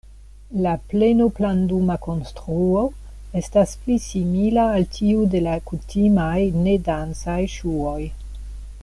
La pleno-planduma konstruo estas pli simila al tiu de la kutimaj, ne-dancaj ŝuoj.